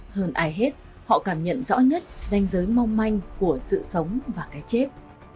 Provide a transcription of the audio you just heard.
hơn ai hết họ cảm nhận rõ nhất danh giới mong manh của sự sống và cái chết